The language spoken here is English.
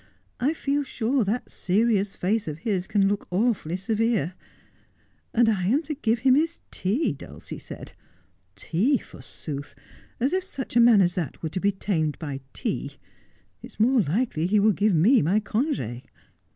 ' I feel sure that serious face of his can look awfully severe. And I am to give him his tea, Dulcie said. Tea, forsooth ! As if such a man as that were to be tamed by tea ! It's more likely he will give me my conge.'